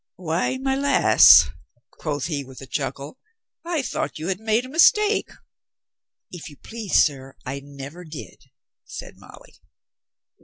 "Why, my lass," quoth he with a chuckle, "I thought you had made a mistake." "If you please, sir, I neyer did," said Molly.